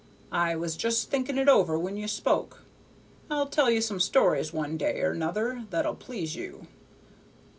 I was just thinking it over when you spoke. I'll tell you some stories one day or 'nother that'll please you.